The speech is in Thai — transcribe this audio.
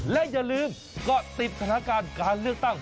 และอย่าลืมเกาะติดสถานการณ์การเลือกตั้ง